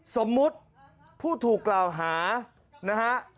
สมมุติผู้ถูกกล่าวหานะฮะ